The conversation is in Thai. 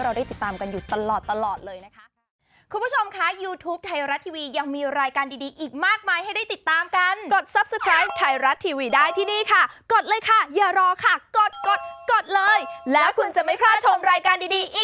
เอามาให้เราได้ติดตามกันอยู่ตลอดเลยนะคะ